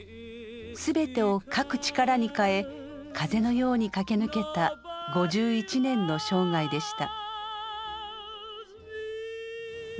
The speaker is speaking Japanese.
全てを書く力に変え風のように駆け抜けた５１年の生涯でした。